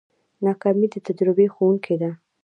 ناکامي د تجربې ښوونکې ده.